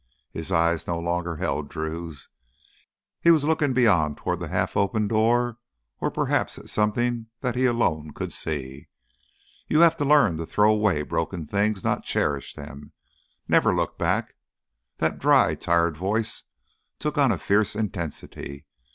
His eyes no longer held Drew's; he was looking beyond toward the half open door or perhaps at something that he alone could see. "You have to learn to throw away broken things, not cherish them. Never look back!" That dry, tired voice took on a fierce intensity.